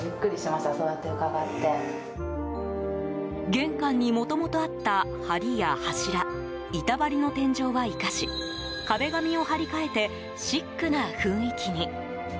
玄関にもともとあった梁や柱板張りの天井は生かし壁紙を張り替えてシックな雰囲気に。